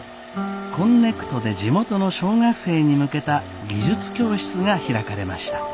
こんねくとで地元の小学生に向けた技術教室が開かれました。